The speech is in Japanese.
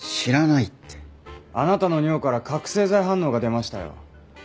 あなたの尿から覚醒剤反応が出ましたよ。